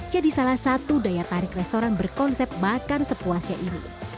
jadi salah satu daya tarik restoran berkonsep makan sepuasnya ini